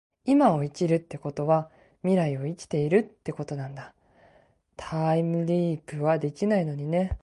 今を生きるってことは未来を生きているってことなんだ。タァイムリィプはできないのにね